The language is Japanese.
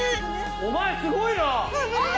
お前すごいな！